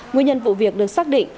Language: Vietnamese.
nguyên nhân vụ việc được xác định